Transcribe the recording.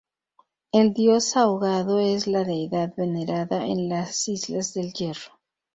El Dios Ahogado es la deidad venerada en las Islas del Hierro.